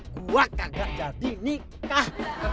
gua kagak jadi nikah